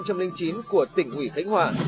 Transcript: của tỉnh ủy khánh hòa